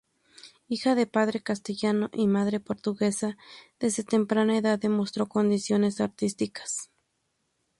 Hija de padre castellano y madre portuguesa, desde temprana edad demostró condiciones artísticas.